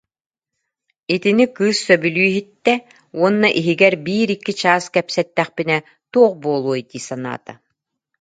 Итини кыыс сөбүлүү иһиттэ уонна иһигэр биир-икки чаас кэпсэттэхпинэ туох буолуой дии санаата